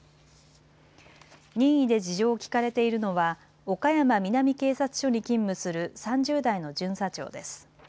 任意で事情を聴かれているのは岡山南警察署に勤務する３０代の巡査長です。